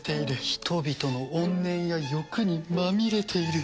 人々の怨念や欲にまみれている。